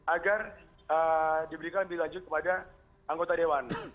agar diberikan lebih lanjut kepada anggota dewan